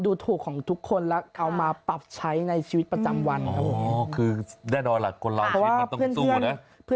อยู่กับหญ้า๒คนครับ